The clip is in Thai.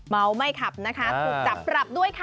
เมาไม่ขับนะคะถูกจับปรับด้วยค่ะ